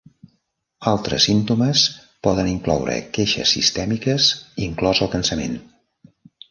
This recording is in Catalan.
Altres símptomes poden incloure queixes sistèmiques, inclòs el cansament.